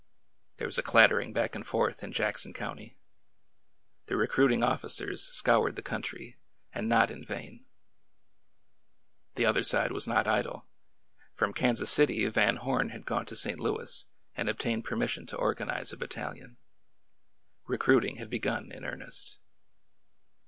There was a clattering back and forth in Jackson County. The recruiting officers scoured the country, and not in vain. The other side was not idle. From Kansas City Van Horn had gone to St. Louis and obtained permis sion to organize a battalion. Recruiting had begun in earnest.